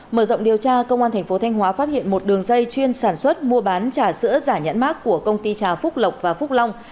mở rộng điều tra công an tp thanh hóa phát hiện một đường dây chuyên sản xuất mua bán trả sữa giả nhãn mác của công ty trà phúc lộc và phúc long